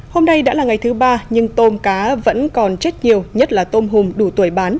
hôm nay đã là ngày thứ ba nhưng tôm cá vẫn còn chết nhiều nhất là tôm hùm đủ tuổi bán